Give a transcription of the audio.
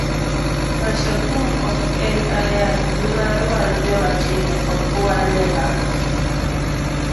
Ashakum ok en ayany, nimar wan joma tindo ok wane rach.